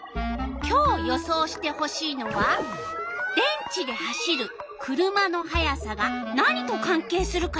今日予想してほしいのは電池で走る車の速さが何と関係するかよ。